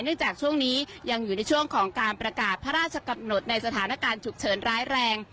จากช่วงนี้ยังอยู่ในช่วงของการประกาศพระราชกำหนดในสถานการณ์ฉุกเฉินร้ายแรง